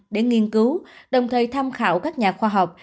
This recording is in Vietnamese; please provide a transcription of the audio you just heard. để nghiên cứu đồng thời tham khảo các nhà khoa học